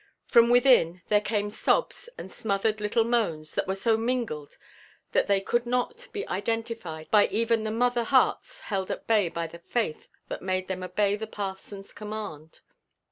From within there came sobs and smothered little moans that were so mingled that they could not be identified by even the mother hearts held at bay by the faith that made them obey the parson's command.